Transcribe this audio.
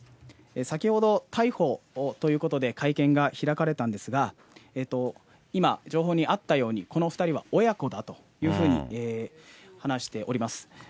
先ほど逮捕ということで会見が開かれたんですが、今、情報にあったように、この２人は親子だというふうに話しております。